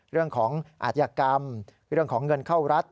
เรื่องของอาจยกรรมเรื่องของเงินเข้ารัฐ